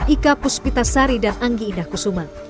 ika puspita sari dan anggi indah kusuma